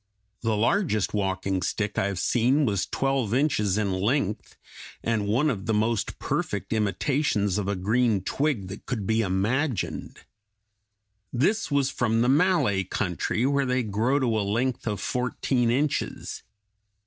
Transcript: The largest walking stick I have seen was twelve inches in length, and one of the most perfect imitations of a green twig that could be imagined. This was from the Malay country, where they grow to a length of fourteen inches.